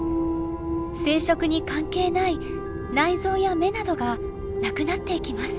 生殖に関係ない内臓や目などがなくなっていきます。